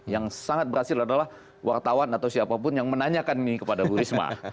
yang sangat berhasil adalah wartawan atau siapapun yang menanyakan ini kepada bu risma